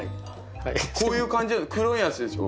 こういう感じ黒いやつでしょ？